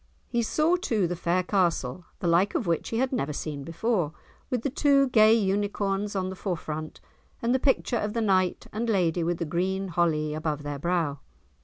He saw, too, the fair castle, the like of which he had never seen before, with the two gay unicorns on the forefront, and the picture of the knight and lady with the green holly above their brow.